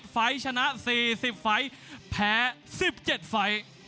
๕๗ฝ่ายชนะ๔๐ฝ่ายแพ้๑๗ฝ่าย